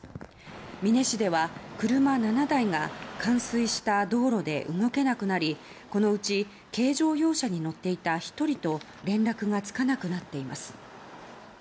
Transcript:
美祢市では、車７台が冠水した道路で動けなくなりこのうち軽乗用車に乗っていた１人と連絡がつかなくなっています。